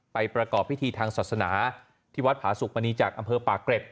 ประกอบพิธีทางศาสนาที่วัดผาสุกมณีจากอำเภอปากเกร็ด